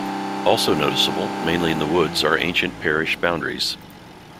Also noticeable, mainly in the woods are ancient parish boundaries.